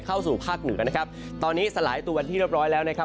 เข้าสู่ภาคเหนือนะครับตอนนี้สลายตัวเป็นที่เรียบร้อยแล้วนะครับ